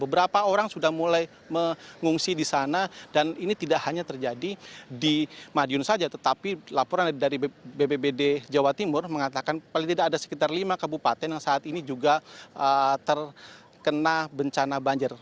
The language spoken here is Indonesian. beberapa orang sudah mulai mengungsi di sana dan ini tidak hanya terjadi di madiun saja tetapi laporan dari bbbd jawa timur mengatakan paling tidak ada sekitar lima kabupaten yang saat ini juga terkena bencana banjir